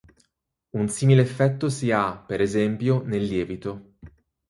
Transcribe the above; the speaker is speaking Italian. Un simile effetto si ha, per esempio, nel lievito.